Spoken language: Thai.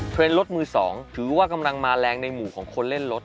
รถมือ๒ถือว่ากำลังมาแรงในหมู่ของคนเล่นรถ